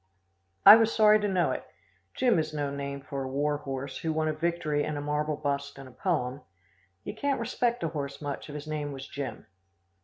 I was sorry to know it. Jim is no name for a war horse who won a victory and a marble bust and a poem. You can't respect a horse much if his name was Jim.